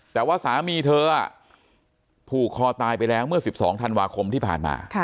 แต่ว่าสามีเธอผูกคอตายไปแล้วเมื่อ๑๒ธันวาคมที่ผ่านมา